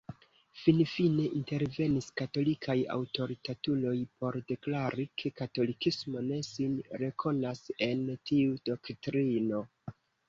Finfine intervenis katolikaj aŭtoritatuloj por deklari ke katolikismo ne sin rekonas en tiu doktrino.